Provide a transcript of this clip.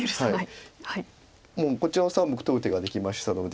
もうこちらの３目取る手ができましたので。